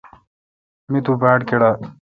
می تو باڑ کیڈال۔